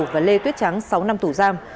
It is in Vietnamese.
và lê tuyết trắng sáu năm tù giam